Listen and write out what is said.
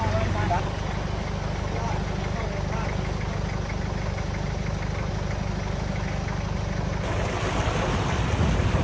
เมื่อเวลาอันดับสุดท้ายมันกลายเป้าหมายมากกว่า